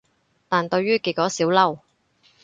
但對於結果少嬲